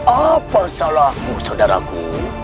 apa salahku saudaraku